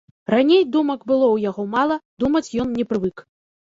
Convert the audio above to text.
Раней думак было ў яго мала, думаць ён не прывык.